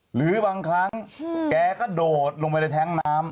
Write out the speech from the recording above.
หรือบางครั้งแกกระโดดลงไปในแท้งน้ำ